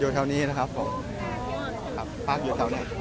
อยู่แถวนี้นะครับผมปักอยู่แถวนี้